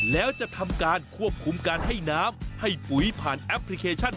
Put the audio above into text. แล้วจะทำการควบคุมการให้น้ำให้ปุ๋ยผ่านแอปพลิเคชัน